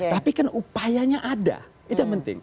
tapi kan upayanya ada itu yang penting